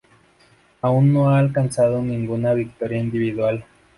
Aún no ha alcanzado ninguna victoria individual.